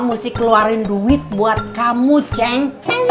mesti keluarin duit buat kamu ceng